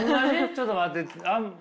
ちょっと待って。